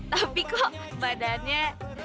tapi kok badannya